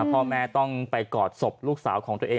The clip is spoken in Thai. พ่อแม่ต้องไปกอดศพลูกสาวของตัวเอง